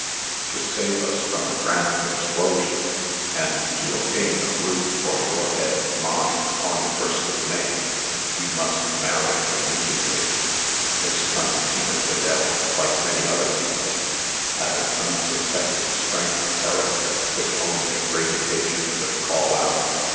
To save us from a grand explosion, and to obtain a roof for your head and mine on the 1st of May, you must marry immediately." Miss Clementina Whedell, like many other people, had an unsuspected strength of character which only a great occasion could call out.